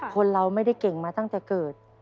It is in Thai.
คนเราไม่ได้เก่งมาตั้งแต่เกิด